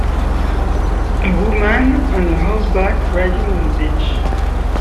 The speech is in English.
A woman on horseback, riding on the beach.